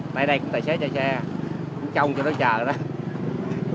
mà ở đây cũng tài xế chạy xe cũng trong cho nó chờ đó